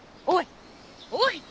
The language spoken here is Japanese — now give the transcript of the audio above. おい！